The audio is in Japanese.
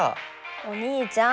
お兄ちゃん。